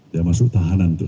dia masuk tahanan untuk